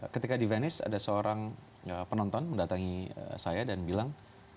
ketika di venice ada seorang penonton mendatangi saya dan bilang